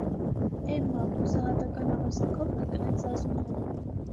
- Է՛մմա,- հուսահատական աղերսանքով կրկնեց Զազունյանը: